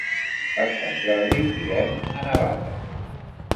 Per Sant Jordi irem a Navata.